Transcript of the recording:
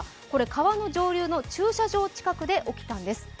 川の上流の駐車場近くで起きたんです。